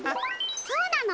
そうなの？